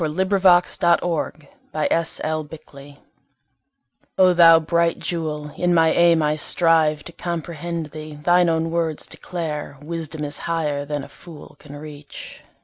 Poem On Virtue By Phillis Wheatley O Thou bright jewel in my aim I strive To comprehend thee. Thine own words declare Wisdom is higher than a fool can reach.